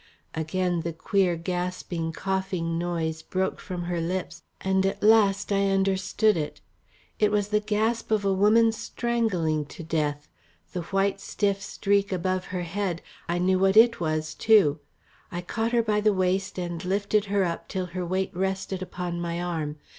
Again the queer gasping coughing noise broke from her lips, and at last I understood it. It was a gasp of a woman strangling to death. That white stiff streak above her head I knew what it was too. I caught her by the waist and lifted her up till her weight rested upon my arm.